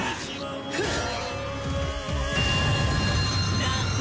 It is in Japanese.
フッ！